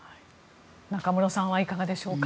中室さんはいかがでしょうか？